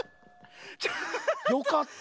よかった。